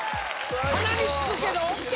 鼻につくけどＯＫ！